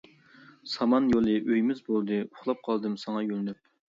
سامان يولى ئۆيىمىز بولدى، ئۇخلاپ قالدىم ساڭا يۆلىنىپ.